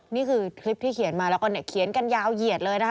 นี่คือคลิปที่เขียนมาแล้วก็เนี่ยเขียนกันยาวเหยียดเลยนะคะ